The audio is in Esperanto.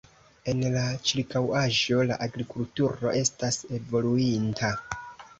En la ĉirkaŭaĵo la agrikulturo estas evoluinta.